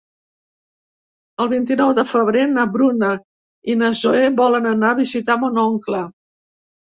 El vint-i-nou de febrer na Bruna i na Zoè volen anar a visitar mon oncle.